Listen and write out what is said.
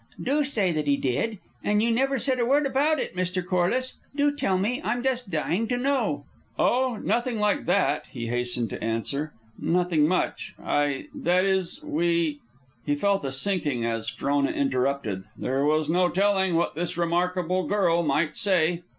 Do say that he did! And you never said a word about it, Mr. Corliss. Do tell me. I'm just dying to know!" "Oh, nothing like that," he hastened to answer. "Nothing much. I, that is we " He felt a sinking as Frona interrupted. There was no telling what this remarkable girl might say.